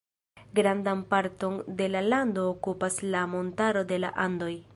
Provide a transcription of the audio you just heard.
Grandan parton de la lando okupas la montaro de la Andoj.